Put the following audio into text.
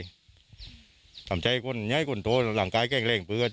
มีคนจมน้ำเสียชีวิต๔ศพแล้วเนี่ยมีเหตุการณ์ที่มีเกิดชีวิต๔ศพแล้วเนี่ย